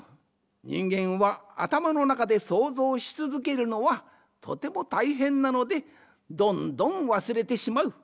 にんげんはあたまのなかで想像しつづけるのはとてもたいへんなのでどんどんわすれてしまう。